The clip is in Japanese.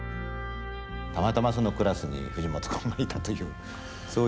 たまたまそのクラスに藤本君がいたという。